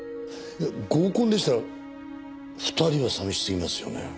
合コンでしたら２人は寂しすぎますよね。